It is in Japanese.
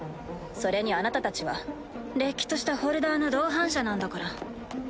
それにあなたたちはれっきとしたホルダーの同伴者なんだから。